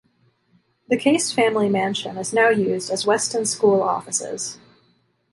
The Case family mansion is now used as Weston school offices.